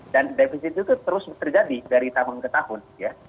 dan defisit itu terus terjadi dari tahun ke tahun ya